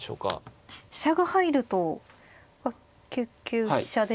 飛車が入ると９九飛車ですとか。